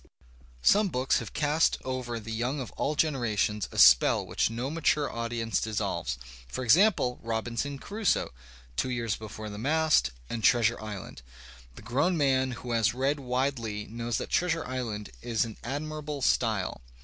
Some books have cast over the young of all generations a spell which no mature experience dissolves, for example, '^Robinson Crusoe," "Two Years Before the Mast," and "Treasiu^ Island." The grown man who has read widely knows that "Treasure Island" is in admirable style.